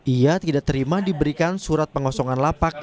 ia tidak terima diberikan surat pengosongan lapak